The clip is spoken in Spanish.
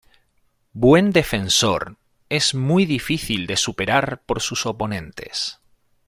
Buen defensor, es muy difícil de superar por sus oponentes.